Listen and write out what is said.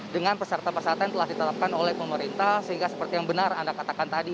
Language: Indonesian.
dengan peserta peserta yang telah ditetapkan oleh pemerintah sehingga seperti yang benar anda katakan tadi